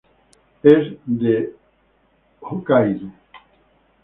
Es de Hokkaido.